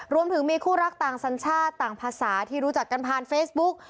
รวมถึงมีคู่รักต่างสัญชาติต่างภาษาที่รู้จักกันผ่านเฟซบุ๊ก